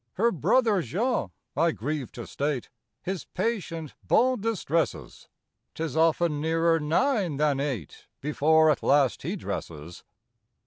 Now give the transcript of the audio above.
Her brother Jean—I grieve to state— His patient bonne distresses; 'Tis often nearer nine than eight Before at last he dresses.